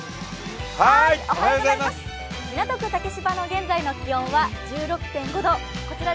港区竹芝の現在の気温は１６．５度。